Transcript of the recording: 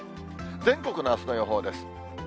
全国のあすの予報です。